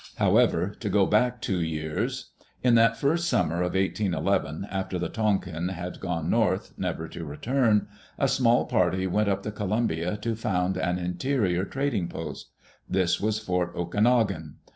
However, to go back two years, in that first summer of 181 1, after the Tonquin had gone north, never to return, a small party went up the Columbia to found an interior trading post. This was Fort Okanogan.